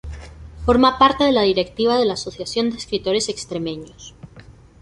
Forma parte de la directiva de la Asociación de Escritores Extremeños.